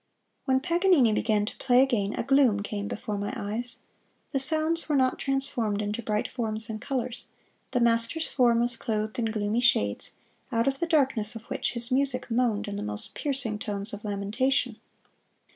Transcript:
When Paganini began to play again a gloom came before my eyes. The sounds were not transformed into bright forms and colors; the master's form was clothed in gloomy shades, out of the darkness of which his music moaned in the most piercing tones of lamentation.